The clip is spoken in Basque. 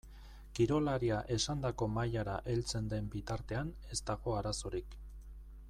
Kirolaria esandako mailara heltzen den bitartean ez dago arazorik.